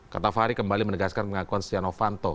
kata fahri kembali menegaskan pengakuan setnov